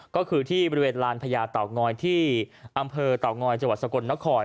ก็คือที่บริเวณรานพญาเตาะนอยที่อำเภอเตาะนอยจสกนคร